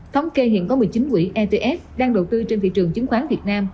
thống kê hiện có một mươi chín quỹ etf đang đầu tư trên thị trường chứng khoán việt nam